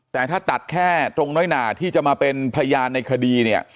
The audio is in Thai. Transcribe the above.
แต่ถ้าตัดแค่ตรงน้อยหนาที่จะมาเป็นพยานในคดีเนี่ย